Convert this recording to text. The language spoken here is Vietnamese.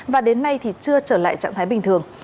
và đến nay thì chưa trở lại trạng thái bình thường